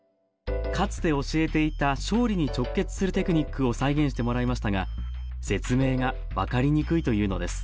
かつて教えていた勝利に直結するテクニックを再現してもらいましたが説明が分かりにくいというのです